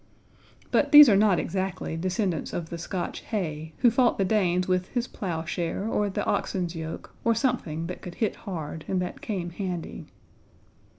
But these are not exactly descendants of the Scotch Hay, who fought the Danes with his plowshare, or the oxen's yoke, or something that could hit hard and that came handy.